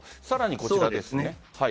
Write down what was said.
さらにこちらです。